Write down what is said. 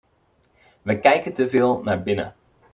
Wij kijken te veel naar binnen.